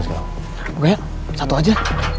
engga ya satu aja